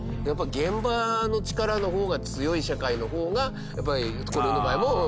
現場の力の方が強い社会の方がやっぱりこれの場合も。